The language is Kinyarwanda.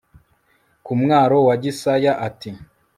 ku mwaro wa Gisaya ati